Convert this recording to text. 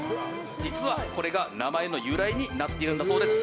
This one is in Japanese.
実は、これが名前の由来になっているんだそうです。